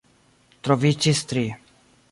Troviĝis tri.